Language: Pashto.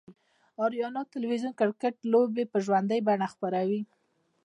آریانا تلویزیون دکرکټ لوبې به ژوندۍ بڼه خپروي